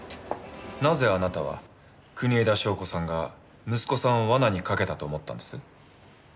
なぜあなたは国枝祥子さんが息子さんを罠に掛けたと思ったんです？